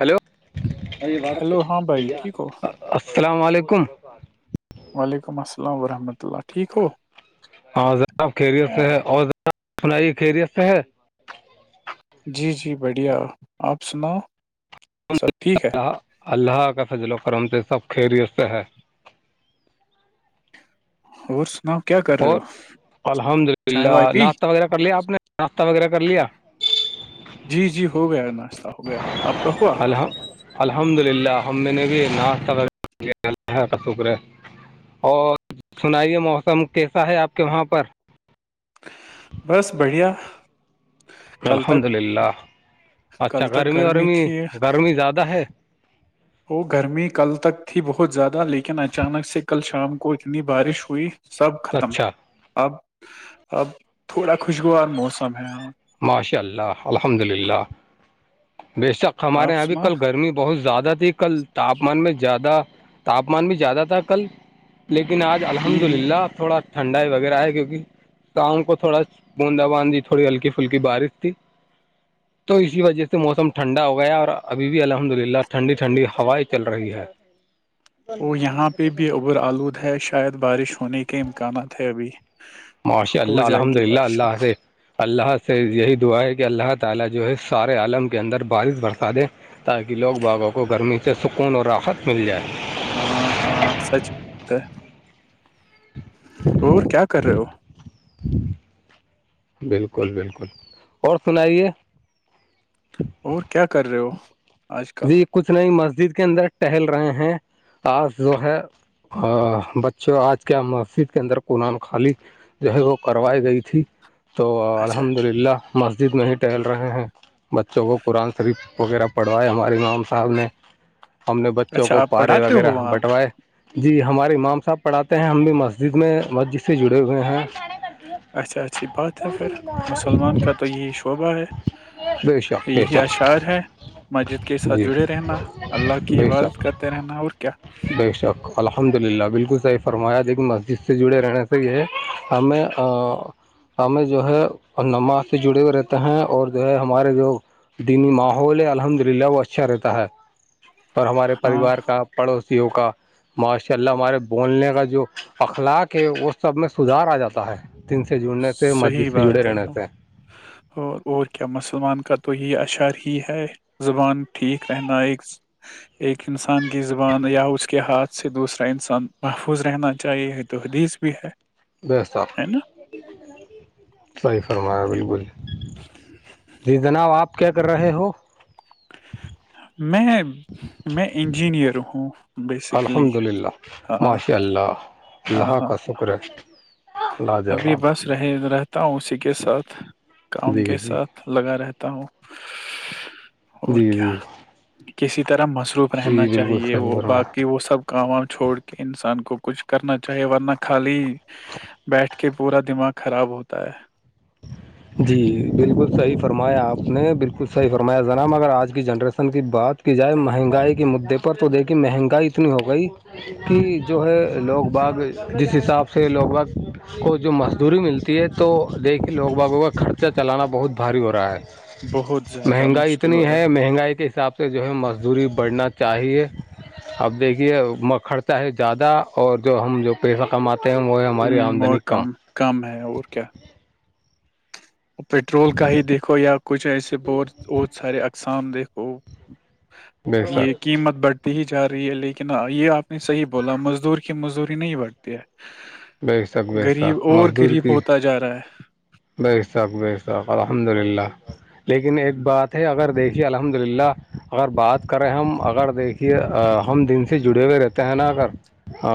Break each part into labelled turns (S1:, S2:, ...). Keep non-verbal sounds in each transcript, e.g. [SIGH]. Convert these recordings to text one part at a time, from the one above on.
S1: Hello
S2: hello ہاں بھائی ٹھیک ہو
S1: السلام علیکم
S2: وعلیکم السل ورحمۃہ اللہ ٹھیک ہو
S1: ذراب خیریت سے ہے اور سنائیے خیریت سے ہے
S2: جی جی بڑھیا آپ سناؤ سب ٹھیک ہے
S1: اللہ کا فضل و کرم سے سب خیریت سے ہے
S2: اور سناؤ کیا کر رہے ہو
S1: اور الحمد
S2: چائے
S1: للہ
S2: وائے پی
S1: ناشتہ وغیرہ کر لیا آپ نے ناشتہ وغیرہ کر لیا
S2: جی جی ہو گیا ناشتہ ہو گیا آپ کا ہوا
S1: الحم الحمد للہ ہم میں نے بھی ناش کا شکر ہے اور سنائیے موسم کیسا ہے آپ کے وہاں پر
S2: بس بڑھیا کل تک
S1: الحمد للہ
S2: کل
S1: اچھا
S2: تک گرمی
S1: ورمی
S2: تھی
S1: گرمی زیادہ ہے
S2: گرمی کل تک تھی بہت زیادہ لیکن اچانک سے کل شام کو اتنی بارش ہوئی سب ختم
S1: اچھا
S2: اب اب تھوڑا خوشگوار موسم ہے
S1: ماشاء اللہ الحمد للہ بے شک ہمارے
S2: آپ
S1: یہاں بھی
S2: سنا
S1: کل گرمی بہت زیادہ تھی کل تاپمان میں زیادہ تاپمان بھی زیادہ تھا کل لیکن آج
S2: ہ
S1: الحمد
S2: ہ
S1: للہ تھوڑا ٹھنڈائی وغیرہ ہے کیکہ کااؤ کو تھوڑا بوندا بانندی تھوڑی ہلکی پھل کی بارش تھی
S2: [INAUDIBLE]
S1: تو اسی وجہ سے موسم ٹھنڈا ہو گیا ہے اور ابھی بھی الحمد للہ ٹھنڈی ٹھنڈی ہوائیں چل رہی ہے
S2: [INAUDIBLE] وہ یہاں پہ بھی عبر آلود ہے شاید بارش ہونے کے امکانات ہے ابھی
S1: مشا
S2: ہو
S1: اللہ
S2: جائے
S1: الحمد
S2: گی
S1: للہ
S2: بارش
S1: اللہ سے اللہ سے یہی دعا ہے کہ اللہ تعالی جو ہے سارے عالم کے اندر بارش برسا دے تاکہ لوگ باغوں کو گرمی سے سکون اور آخت مل جائے
S2: ہاں ہاں سچ بات ہے اور کیا کر رہے ہو
S1: بالکل بالکل اور سنائیے
S2: اور کیا کر رہے ہو آج کل
S1: جی کچھ نئی مسجد کے اندر ٹہل رہے ہیں آج جو ہے بچوں آج کے مسجد کے اندر قنآان خالی جو ہے وہ کروائی گئی تھی تو
S2: اچھا
S1: الحمد للہ مسجد میں ہی ٹہل رہے ہیں بچوں کو قرآن شریف وغیرہ پڑھوائے ہمارے امام صاحب نے ہم نے بچوں
S2: اچھا
S1: کو
S2: آپ
S1: پارے
S2: پڑھاتے ہو
S1: وغیرہ
S2: وہاں
S1: بنٹوائے جی ہمارے امام صاحب پڑھاتے ہیں ہم بھی مسجد میں مسجد سے جڑے ہوئے ہیں
S2: اچھا اچھی بات ہے پھر مسلمان کا تو یہی شعبہ ہے
S1: بے شک بے
S2: یہی
S1: شک
S2: اشعار ہے مسجد کے ساتھ
S1: جی
S2: جڑے رہنا اللہ کی
S1: بے شک
S2: عبادت کرتے رہنا اور کیا
S1: بے شک الحمد للہ بالکل صحیح فرمایا لیکن مسجد سے جڑے رہنے سے یہ ہے ہمیں ہمیں جو ہے نماز سے جڑے ہوئے رہتے ہیں اور جو ہے ہمارے لوگ دینی ماحول ہے الحمد للہ وہ اچھا رہتا ہے پر ہمارے
S2: ہاں
S1: پریوار کا پڑوسیوں کا ماشاء اللہ ہمارے بولنے کا جو اخلاق ہے وہ سب میں سدار آ جاتا ہے دن سے جڑنے سے
S2: صحیح
S1: مسجد سے جڑے
S2: بات ہے
S1: رہنے سے
S2: اور اور کیا مسلمان کا تو یہ اشعار ہی ہے زبان ٹھیک رہناائق ایک انسان کی زبان یا اس کے ہاتھ سے دوسرا انسان محفوظ رہنا چاہیے تو حدیث جی ہے
S1: بہستتر
S2: ہے نا
S1: صحیح فرمایا بالکل جی جناب آپ کیا کر رہے ہو
S2: میں میں انجینئر ہوں بیسکلی
S1: الحمد للہ
S2: ہاں ہاں
S1: ماشاء اللہ
S2: ہاں
S1: اللہ
S2: ہاں
S1: کا شکر ہے
S2: ابھی
S1: لاجواب
S2: بس رہ رہتا ہوں اسی کے ساتھ کام
S1: جی
S2: کے
S1: جی
S2: ساتھ لگا رہتا ہوں اور
S1: جی
S2: کیا
S1: جی
S2: کسی طرح مس گروپ
S1: جی
S2: رہنا
S1: بالکل
S2: چاہیے
S1: صحیح
S2: وہ
S1: فرمایا
S2: باقی وہ سب کام وام چھوڑ کے انسان کو کچھ کرنا چاہیے ورنہ خالی بیٹھ کے پورا دماغ خراب ہوتا ہے
S1: جی بالکل صحیح فرمایا آپ نے بالکل صحیح فرمایا جناب اگر آج کی جنریسن کی بات کی جائے مہنگائی کے مدے پر تو دیکھییں مہنگائی اتنی ہو گئی [UNINTELLIGIBLE] کہ جو ہے لوگ باغ جس حساب سے لوگ باغ [UNINTELLIGIBLE] کو جو مزدوری ملتی ہے تو دیکھیں لوگ باابوں کا خرچہ چلانا بہت بھاری ہو رہا ہے
S2: بہت زیادہ
S1: مہنگائی
S2: مشکل
S1: اتنی
S2: ہو رہا
S1: ہے مہنگائی کے حساب سے [UNINTELLIGIBLE] سے جو ہے مزدوری بڑھنا چاہیے اب دیکھیے مکھڑتا ہے زیادہ اور جو ہم جو [UNINTELLIGIBLE] پیسہ کماتے ہیں وہ ہے ہماری
S2: ہوں اور
S1: آمدنی کم
S2: کم ہے اور کیا پٹرول کا ہی دیکھو یا کچھ ایسے بہت بہت سارے اقسام دیکھو
S1: بے
S2: یہ
S1: شک
S2: قیمت بڑھ ہی جا رہی ہے لیکن یہ آپ نے صحیح بولا مزدور کی مزدوری نہیں بڑھتی ہے
S1: بے شک بے
S2: غریب اور غریب ہوتا جا رہا ہے
S1: بسخ ب شخ الحمد للہ لیکن ایک بات تھے اگر دیکھیے الحمد للہ اگر بات کریں ہم اگر دیکھیے ہم دن سے جڑے ہوئے رہتے تنا کر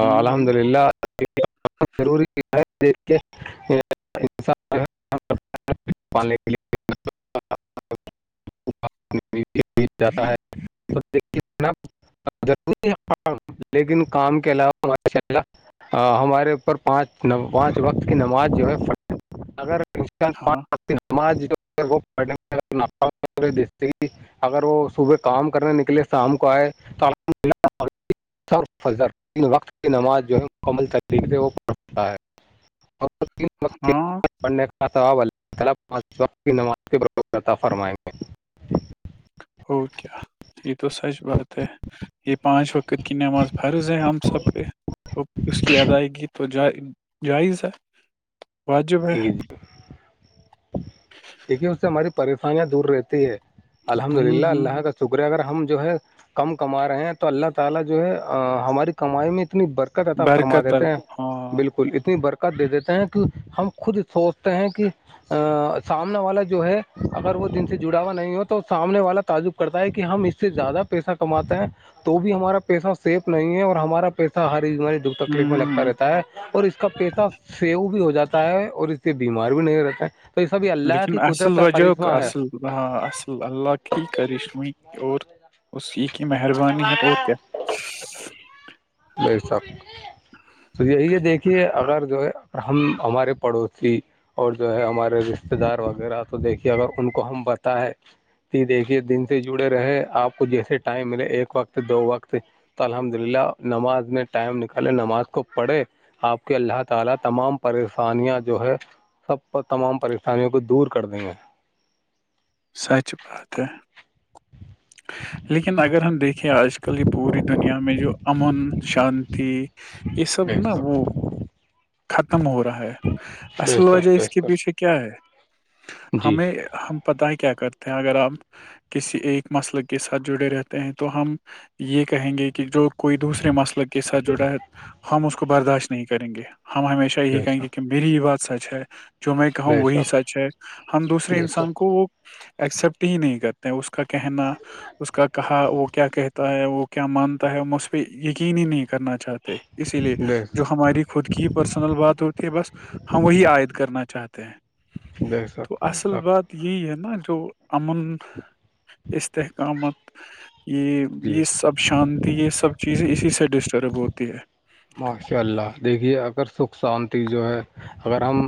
S2: ہوں
S1: الحمد
S2: ہوں
S1: للہ ضروری ہایت دیک کے کے لیے
S2: [INAUDIBLE]
S1: جاتا ہے تو دیک ن وری لیکن کام کے علاوہ ماشاء اللہ ہمارے اوپر پانچ پانچ وقت کی نماز جو ہے پ اگر
S2: ہاں
S1: نمج اگر وہ صبح کام کرنے نکلے شام کو آئے تو الحمدلہ ر وقت کی نماز جو ہے مکمل طریق سے وہ پڑھتا ہے وق
S2: ہاں
S1: پڑنے کا وقت کی نماز فرمائ گے
S2: ہو کیا یہ تو سچ بات ہے یہ پانچ وقت کی نماز فرض ہے ہم سب پہ اس کی ادائیگی تو جائز ہے واجب ہے
S1: یک ج دیکے اس سے ہماری پریشانیاں دور رہتی ہے الحمد
S2: ہوں
S1: للہ
S2: ہوں
S1: اللہ شکرے اگر ہم جو ہے کم کما رہے ہیں تو اللہ تعالی جو ہے ہماری کمائی میں اتنی بر تا فرما
S2: برکت ہے۔
S1: دیتے ہیں
S2: ہاں
S1: بالکل اتنی برکت دے دیتے ہیں کہ ہم خود سوچتے ہیں کہ سامنے والا جو ہے اگر وہ دن سے جڑاوا نہیں ہو تو سامنے والا تعجب کرتا ہے کہ ہم اس سے زیادہ پیسہ کماتے ہیں تو بھی ہمارا پیسہ سیف نہیں ہے اور ہمارا پیسہ ہریماری ڈب تکلیف میں
S2: ہوں
S1: لگتا
S2: ہوں
S1: رہتا ہے اور اس کا پیسہ سیو بھی ہو جاتا ہے اور اس سے بیمار بھی نہیں رہتا ہے تو یہ سب اللہ کی قدرت کا کرشمہ ہے
S2: ہ اصل اللہ کی کریش و اور اس کیی کی مہربانی ہے اور کیا
S1: برسخ تو یہی ہے دیکھیے اگر جو ہے ہم ہمارے پڑوسی اور جو ہے ہمارے رشتے دار وغیرہ تو دیکھیے اگر ان کو ہم بتائے دیکھیے دن سے جڑے رہے آپ کو جیسے ٹائم ملے ایک وقت دو وقت تو الحمد للہ نماز نے ٹائم نکالے نماز کو پڑھے آپ کے اللہ تعالی تمام پریشانیاں جو ہے سب تمام پریشانیوں کو دور کر دیں گے
S2: سچ بات ہے لیکن اگر ہم دیکھیں آج کل یہ پوری دنیا میں جو امن شانتی یہ سب
S1: بے
S2: نا
S1: شک
S2: وہ ختم ہو رہا ہے
S1: بے
S2: اصل
S1: شک
S2: وجہ
S1: بے
S2: اس کے
S1: شک
S2: پیچھے کیا ہے
S1: جی
S2: ہمیں ہم پت ہی کیا کرتے ہیں اگر ہم کسی ایک مسئل کے ساتھ جڑے رہتے ہیں تو ہم یہ کہیں گے کہ کہ جو کوئی دوسرے مسئلے کے ساتھ جڑا ہے ہم اس کو برداشت نہیں کریں گے ہم ہمیشہ ہی
S1: بے
S2: کہیں گے کہ
S1: شک
S2: میری یہ بات سچ ہے جو میں کہاوں
S1: بے
S2: وہی
S1: شک
S2: سچ ہے ہم دوسرے
S1: بے
S2: انسان کو
S1: شک
S2: ایکسپٹ ہی نہیں کرتے اس کا کہنا اس کہ تھا وہ کیا کہتا ہے وہ کیا مانتا ہے اسجھ پہ یقینی نہیں کرنا چاہتے اسی لیے
S1: بے شک
S2: جو ہماری خود کی پرسنل بات ہوتی ہے بس ہم وہی عائد کرنا چاہتے
S1: بے
S2: تو
S1: شک بے
S2: اصل
S1: شک
S2: بات یہی ہے نا جو امن استحکامت یہ
S1: جی
S2: یہ سب شانتی یہ سب چیزیں اسی سے ڈسٹرب ہوتی ہے
S1: ماشاء اللہ دیکھیے اگر سکھ شانتی جو ہے اگر ہم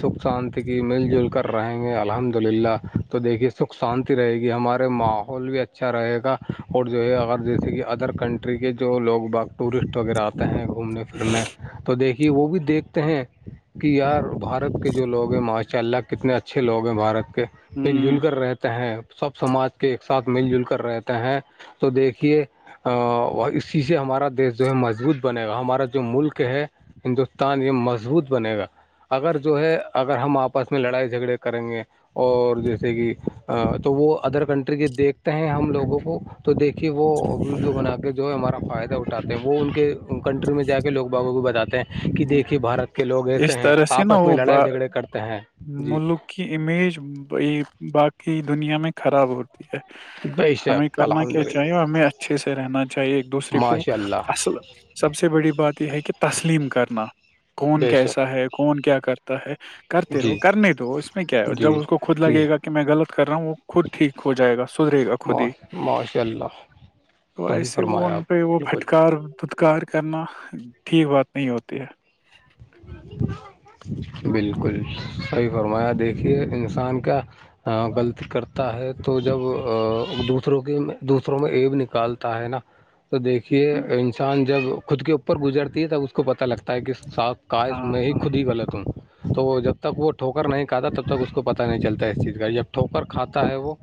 S1: سکھ شانتی کی مل جل کر رہیں گے الحمد للہ تو دیکھیے سکھ شانتی رہے گی ہمارے ماحول بھی اچھا رہے گا اور جو ہے اگر جیسے کہ ادر کنٹ ٹری کے جو لوگ باغ ٹورسٹ وغیرہ آتے ہیں گھومنے پھرنے تو دیکھیے وہ بھی دیکھتے ہیں کہ یار بھارت کے جو لوگ ہیں ماشاء اللہ کتنے اچھے لوگ ہیں بھارت کے مل جل
S2: ہوں،
S1: کر رہتے ہیں سب سماج کے ایک ساتھ مل جل کر رہتے ہیں تو دیکھیے اسی سے ہمارا دیش جو ہے مضبوط بنے گا ہمارا جو ملک ہے ہندوستان یہ مضبوط بنے گا اگر جو ہے اگر ہم آپس میں لڑائی جھگڑے کریں گے اور جیسے کہ تو وہ ادر کنٹری کے دیکھتے ہیں ہم لوگوں کو تو دیکھیے وہ ویڈیو بنا کے جو ہے ہمارا فائدہ اٹھاتے ہیں وہ ان کے کنٹری میں جا کے لوگ بابوں کو بتاتے ہیں کہ
S2: ہوں۔
S1: دیکھیے بھارت کے لوگ ایسے
S2: اس
S1: ہیں
S2: طرح سے نا
S1: آپس میں
S2: وہ با
S1: لڑائی جھگڑے کرتے ہیں جی
S2: ملک کی امیج باقی دنیا میں خراب ہوتی ہے
S1: بے
S2: ہمیں
S1: شک
S2: کرنا
S1: الحمد
S2: کیا
S1: للہ
S2: چاہیے اور ہمیں اچھے سے رہنا چاہیے ایک دوسرے کو
S1: ماشاء اللہ
S2: اصل سب سے بڑی بات یہ ہے کہ تسلیم کرنا کون
S1: بے
S2: کیسا
S1: شک
S2: ہے کون کیا کرتا ہے کرتے رہو
S1: جی
S2: کرنے دو اس میں کیا ہے جب
S1: جی
S2: اس کو خود
S1: جی
S2: لگےا کہ میں غلط کر رہا ہوں وہ خود ٹھیک ہو جائے گادرے گا خود ہی
S1: ماش ماشاء اللہ
S2: تو
S1: صحیح
S2: ایسے وہ
S1: فرمایا
S2: ان
S1: آپ
S2: پہ وہ
S1: نے بالکل
S2: پھٹکار دھودکار کرنا ٹھیک بات نہیں ہوتی ہے [INAUDIBLE]
S1: بالکل صحیح فرمایا دیکھیے انسان کیا غلطی کرتا ہے تو جب دوسروں کے دوسروں میں ایب نکالتا ہے نا تو دیکھیے
S2: ہوں،
S1: انسان جب خود کے اوپر گزرتی ہے تب اس کو پت لگتا ہے کہ ساخ کاش
S2: ہاں
S1: میں ہی
S2: ہاں
S1: خود ہی غلط ہوں تو وہ جب تک وہ ٹھوکر نہیں کھا تب تک اس کو پت نہیں چلتا اس چیز کا جب ٹھوکر کھاتا ہے وہ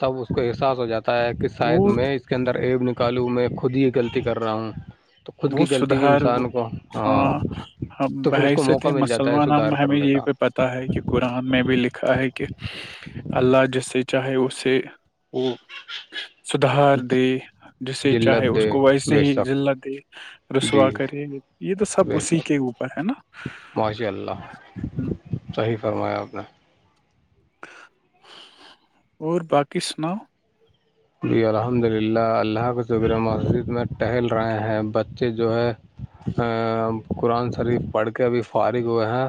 S1: تب اس کو احساس ہو جاتا ہے ک شاید
S2: وہ
S1: میں اس کے اندر ایب نکالوں میں خود ہی غلطی کر رہا ہوں تو خود کی
S2: بہت
S1: غلطی بھی
S2: سدار
S1: انسان کو
S2: ہاں ہم
S1: تو پھر اس کو
S2: بحث
S1: موقع مل جاتا ہے
S2: مسلمان ہم
S1: سدھار
S2: ہمیں
S1: کرنے
S2: یہی
S1: کا
S2: پہ پت ہے کہ قرآن میں بھی لکھا ہے کہ اللہ جس سے چاہے اسے وہ سدھار دے جسے چاہے
S1: جلت
S2: اس
S1: دے
S2: کو ویسے
S1: بے
S2: ہی
S1: شک
S2: ذلا دے
S1: جی
S2: رسوا کرے یہ تو سب اسی کے اوپر ہے نا
S1: ماشاءاللہ
S2: ہوں،
S1: صحیح فرمایا آپ نے
S2: اور باقی سناؤ
S1: جی الحمد للہ اللہ کے شکر مسجد میں ٹہل رہے ہیں بچے جو ہے قرآن شریف پڑھ کے ابھی فارغ ہوئے ہیں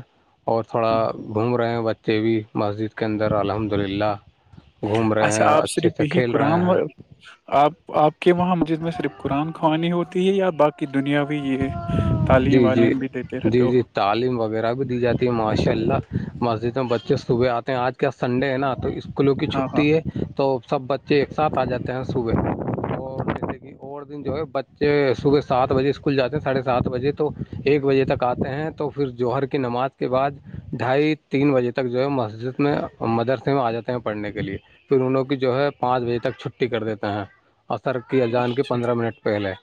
S1: اور تھوڑا
S2: ہوں۔
S1: گھوم رہے ہیں بچے بھی مسجد کے اندر الحمد للہ گھوم رہے ہیں اچھے سے کھیل
S2: قآ
S1: رہے ہیں
S2: آپ آپ کے وہاں مسجد میں صرف قرآن خوانی ہوتی ہے یا باقی کی دنیا بھی یہ تعلیم
S1: جی جی
S2: ولیم بھی دیتے رہ
S1: جی
S2: تو
S1: جی تعلیم وغیرہ بھی دی جاتی ہے ماشاء اللہ مسجد میں بچے صبح آتے ہیں آج کیا سنڈے ہے نا تو اس اسکولوں کی
S2: ہاں ہاں
S1: چھٹی ہے تو سب بچے ایک ساتھ آ جاتے ہیں صبح اور جیسے کہ اور دن جو ہے بچے صبح سات بجے اسکول کھل جاتے ہیں ساڑھے سات بجے تو ایک بجے تک آتے ہیں تو پھر جوہر کی نماز کے بعد ڈھائی تین بجے تک جو ہے مسجد میں مدرسے میں آ جاتے ہیں پڑھنے کے لیے پھر انہوں کی جو ہے پانچ بجے تک چھٹی کر دیتے ہیں عصر کیا جان کے
S2: اچھا
S1: پندرہ منٹ پہلے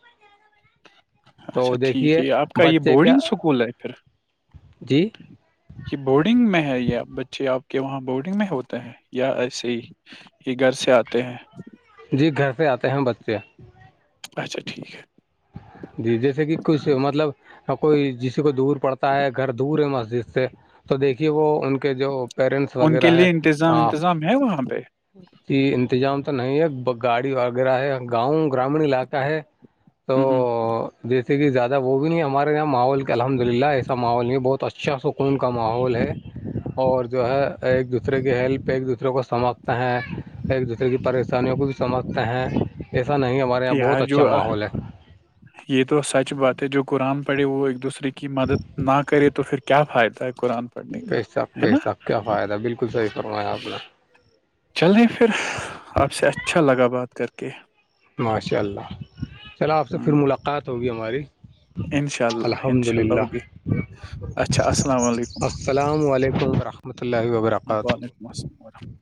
S2: اچھا
S1: تو
S2: ٹھیک
S1: دیکھیے
S2: ہے یہ آپ کا یہ
S1: بچے کیا
S2: بورڈنگ سکول ہے پھر
S1: جی
S2: کہ بورڈنگ میں ہے یا بچے آپ کے وہاں بورڈنگ میں ہوتے ہیں یا ایسے ہی ہی گھر سے آتے ہیں
S1: جی گھر سے آتے ہیں بچے
S2: اچا ٹھیک ہے
S1: جی جیسے کہ کچھ مطلب کوئی جسی کو دور پڑتا ہے گھر دور ہے مسجد سے تو دیکھیے وہ ان کے جو پیرنٹس
S2: ان کے
S1: وغیرہ ہے
S2: لیے انتظام انتظام ہے وہاں پہ
S1: کی انتظام تو نہیں ہے گاڑی وغیرہ ہے گاؤں گرامین علاقہ ہے
S2: ہاں ہاں
S1: تو جیسے کہ زیادہ وہ بھی نہیں ہمارے یہاں ماحول کے الحد الحمد للہ ایسا ماحول نہیں بہت اچھا سکون کا ماحول ہے اور جو ہے ایک دوسرے کی ہیلپ ایک دوسرے کو سماھتے ہے ایک دوسرے کی پریشانیوں کو بھی سمجھ ہیں ایسا نہیں ہمارے یہاں بہت
S2: یار جو
S1: اچھا ماحول ہے
S2: یہ تو سچ بات ہے جو قرآن پڑے وہ ایک دوسرے کی کی مدد نہ کرے تو پھر کیا فائدہ ہے قرآن پڑھنے کا
S1: بے شک
S2: ہے
S1: بے
S2: نا
S1: شک کیا فائدہ بالکل صحیح فرمایا آپ نے
S2: چلے پھر آپ سے اچھا لگا بات کر کے
S1: ماشاء اللہ چلو آپ سے پھر
S2: ہوں
S1: ملاقات ہوگی ہماری
S2: انشاءاللہ
S1: الحمد
S2: انشاءاللہ
S1: للہ
S2: ہوگی اچھا السلام علیکم
S1: السلام علیکم ورحمۃ اللہ وبرکاتہ
S2: مسم [UNINTELLIGIBLE]